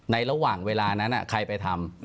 ระหว่างเวลานั้นใครไปทำ